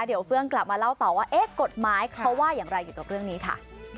เดี๋ยวเฟื่องกลับมาเล่าต่อว่าเอ๊ะกฎหมายเขาว่าอย่างไรเกี่ยวกับเรื่องนี้ค่ะ